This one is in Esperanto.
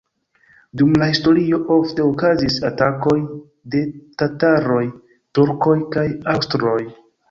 Dum la historio ofte okazis atakoj de tataroj, turkoj kaj aŭstroj.